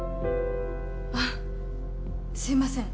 あっすいません